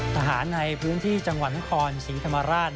ทหารในพื้นที่จังหวัดนครศรีธรรมราช